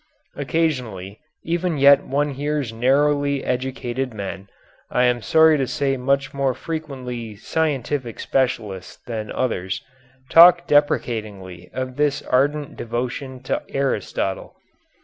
Occasionally even yet one hears narrowly educated men, I am sorry to say much more frequently scientific specialists than others, talk deprecatingly of this ardent devotion to Aristotle.